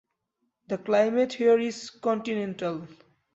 The climate here is continental.